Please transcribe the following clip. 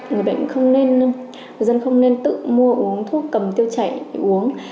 người dân không nên tự mua uống thuốc cầm tiêu chảy uống